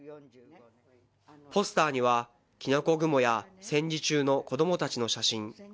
ポスターには、キノコ雲や戦時中の子どもたちの写真。